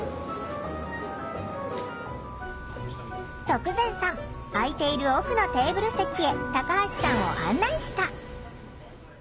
徳善さん空いている奥のテーブル席へタカハシさんを案内した。